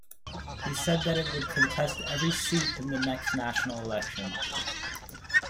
He said that it would contest every seat in the next national elections.